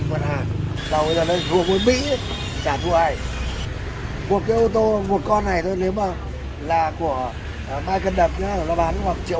một cái ô tô một con này thôi nếu mà là của michael duck nó bán khoảng triệu hai